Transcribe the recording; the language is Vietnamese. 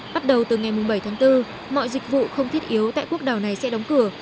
bắt đầu từ ngày bảy tháng bốn mọi dịch vụ không thiết yếu tại quốc đảo này sẽ đóng cửa